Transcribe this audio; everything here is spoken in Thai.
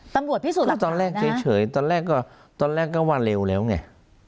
ตำลวดพิสูจน์หลักฐานนะก็ตอนแรกเฉยเฉยตอนแรกก็ตอนแรกก็ว่าเร็วแล้วไง